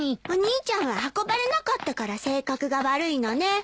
お兄ちゃんは運ばれなかったから性格が悪いのね。